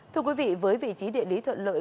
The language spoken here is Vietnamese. thưa quý vị với vị trí địa lý thuận lợi